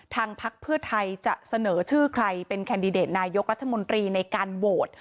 พักเพื่อไทยจะเสนอชื่อใครเป็นแคนดิเดตนายกรัฐมนตรีในการโหวต